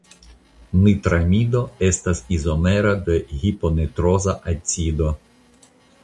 Nitramido estas izomero de la hiponitroza acido.